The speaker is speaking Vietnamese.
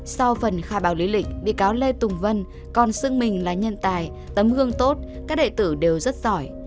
sau phần khai báo lý lịch bị cáo lê tùng vân còn xưng mình là nhân tài tấm gương tốt các đại tử đều rất giỏi